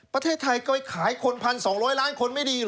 ประเทศไทยเคยขายคน๑๒๐๐ล้านคนไม่ดี